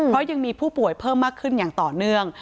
เพราะยังมีผู้ป่วยเพิ่มมากขึ้นอย่างต่อเนื่อง